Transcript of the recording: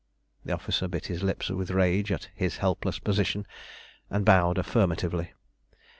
The officer bit his lips with rage at his helpless position, and bowed affirmatively.